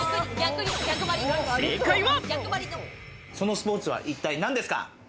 正解は。